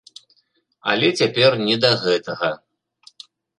Але цяпер не да гэтага.